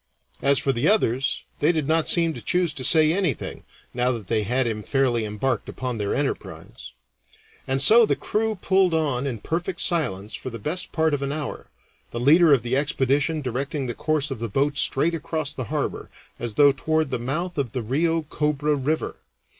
As for the others, they did not seem to choose to say anything now that they had him fairly embarked upon their enterprise. And so the crew pulled on in perfect silence for the best part of an hour, the leader of the expedition directing the course of the boat straight across the harbor, as though toward the mouth of the Rio Cobra River.